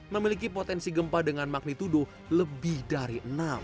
memiliki potensi gempa dengan magnitudo lebih dari enam